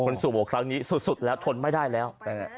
สู่โบกครั้งนี้สุดแล้วทนไม่ได้แล้ว